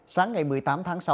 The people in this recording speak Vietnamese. sáng ngày một mươi tám tháng sáu